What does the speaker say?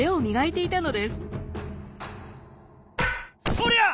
そりゃ！